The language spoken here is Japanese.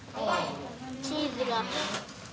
チーズが。